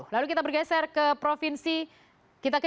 lalu kita bergeser ke provinsi